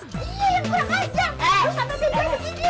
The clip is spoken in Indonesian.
terus sampai beban begini